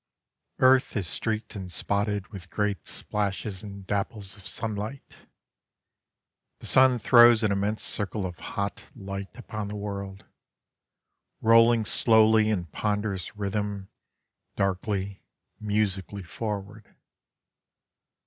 Earth is streaked and spotted With great splashes and dapples of sunlight: The sun throws an immense circle of hot light upon the world, Rolling slowly in ponderous rhythm Darkly, musically forward.